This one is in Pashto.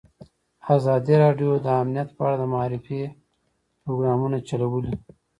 ازادي راډیو د امنیت په اړه د معارفې پروګرامونه چلولي.